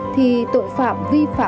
thì tội phạm vi phạm về pháo